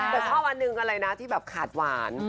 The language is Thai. แต่ชอบอันหนึ่งอะไรนะที่แบบขาดหวาน